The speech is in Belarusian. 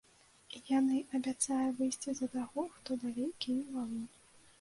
Яны абяцае выйсці за таго, хто далей кіне валун.